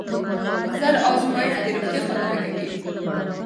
ژر ازموینه د روغتیا ساتنه کوي.